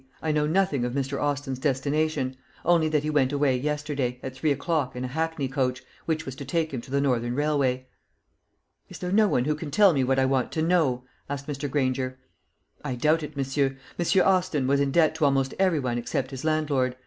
I know nothing of Mr. Austin's destination; only that he went away yesterday, at three o'clock, in a hackney coach, which was to take him to the Northern Railway." "Is there no one who can tell me what I want to know?" asked Mr. Granger. "I doubt it, monsieur. Monsieur Austin was in debt to almost every one except his landlord.